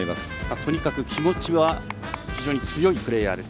とにかく気持ちは非常に強いプレーヤーです。